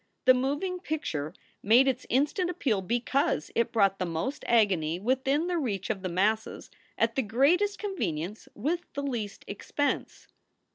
The moving picture made its instant appeal because it brought the most agony within the reach of the masses at the greatest convenience with the least expense.